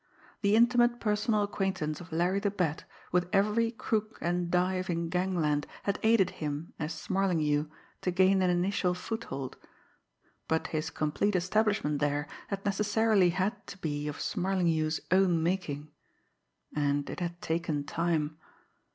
The intimate, personal acquaintance of Larry the Bat with every crook and dive in Gangland had aided him, as Smarlinghue, to gain an initial foothold, but his complete establishment there had necessarily had to be of Smarlinghue's own making. And it had taken time.